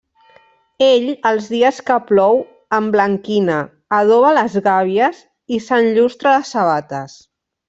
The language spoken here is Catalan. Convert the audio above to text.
Ell, els dies que plou, emblanquina, adoba les gàbies is’enllustra les sabates.